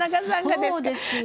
そうですよ。